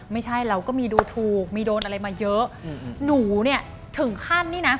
ไม่ใช่เราก็มีดูถูกมีโดนอะไรมาเยอะ